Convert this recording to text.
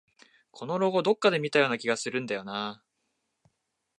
このロゴ、どこかで見たような気がするんだよなあ